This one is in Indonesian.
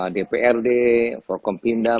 dprd forkom pindah